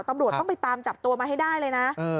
ตำรวจต้องไปตามจับตัวมาให้ได้เลยนะ